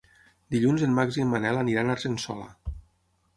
Dilluns en Max i en Manel iran a Argençola.